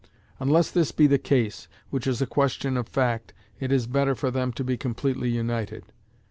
Unless this be the case, which is a question of fact, it is better for them to be completely united.